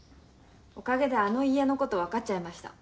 おかげであの家のことわかっちゃいました。